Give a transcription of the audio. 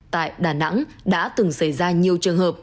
tại đà nẵng đã từng xảy ra nhiều trường hợp